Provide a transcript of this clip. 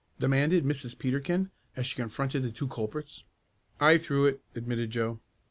demanded Mrs. Peterkin, as she confronted the two culprits. "I threw it," admitted Joe.